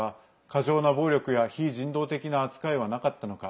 過剰な暴力や非人道的な扱いはなかったのか。